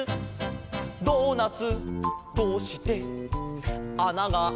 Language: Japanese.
「ドーナツどうして穴がある？」